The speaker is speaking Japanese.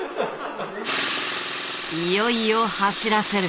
いよいよ走らせる。